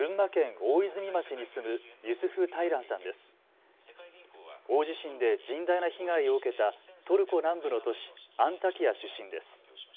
大地震で甚大な被害を受けたトルコ南部の都市、アンタキヤ出身です。